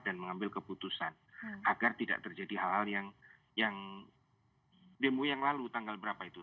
dan mengambil keputusan agar tidak terjadi hal hal yang demo yang lalu tanggal berapa itu